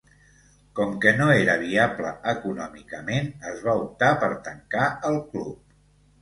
Com que no era viable econòmicament, es va optar per tancar el club.